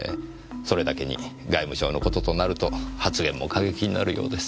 それだけに外務省の事となると発言も過激になるようです。